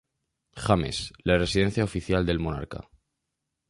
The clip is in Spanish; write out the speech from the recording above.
James, la residencia oficial del monarca.